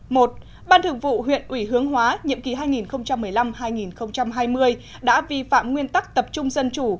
một ban thường vụ huyện ủy hướng hóa nhiệm kỳ hai nghìn một mươi năm hai nghìn hai mươi đã vi phạm nguyên tắc tập trung dân chủ